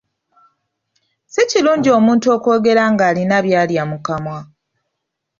Si kirungi omuntu okwogera nga alina byalya mu kamwa.